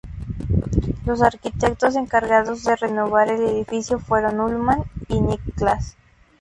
Los arquitectos encargados de renovar el edificio fueron Ullman y Niklas.